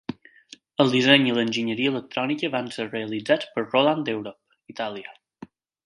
El disseny i l'enginyeria electrònica van ser realitzats per Roland Europe, Itàlia.